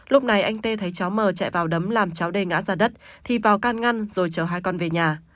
lúc này anh t thấy cháu m chạy vào đấm làm cháu d ngã ra đất thì vào can ngăn rồi chở hai con về nhà